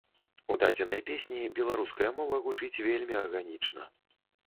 У дадзенай песні беларуская мова гучыць вельмі арганічна.